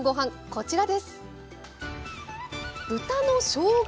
こちらです。